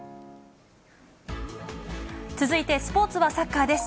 続いてスポーツはサッカーです。